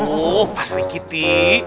oh pasri kiti